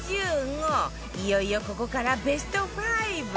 いよいよここからベスト５